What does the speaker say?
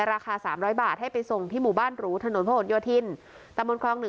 ราคาสามร้อยบาทให้ไปส่งที่หมู่บ้านหรูถนนพระหลโยธินตำบลคลองหนึ่ง